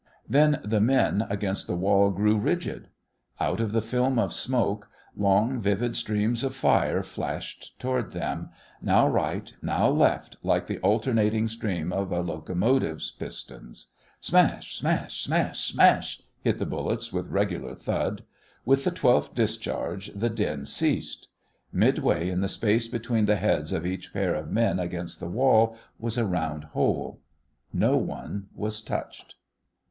Then the men against the wall grew rigid. Out of the film of smoke long, vivid streams of fire flashed toward them, now right, now left, like the alternating steam of a locomotive's pistons. Smash, smash! Smash, smash! hit the bullets with regular thud. With the twelfth discharge the din ceased. Midway in the space between the heads of each pair of men against the wall was a round hole. No one was touched.